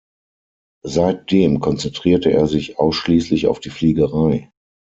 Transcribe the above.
Seitdem konzentrierte er sich ausschließlich auf die Fliegerei.